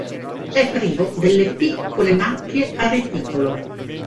È privo delle piccole macchie a reticolo.